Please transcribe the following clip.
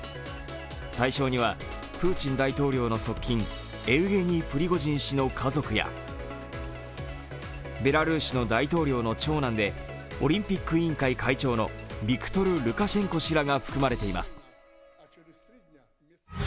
対象にはプーチン大統領の側近、エウゲニー・プリゴジン氏の家族やベラルーシの大統領の長男でオリンピック委員会会長のビクトル・ルカシェンコ氏らが含まれています。